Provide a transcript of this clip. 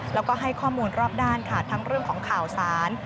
แล้วก็ให้ข้อมูลรอบด้านค่ะทั้งเรื่องของข่าวสาร